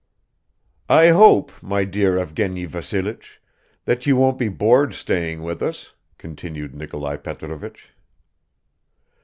"I hope, my dear Evgeny Vassilich, that you won't be bored staying with us," continued Nikolai Petrovich.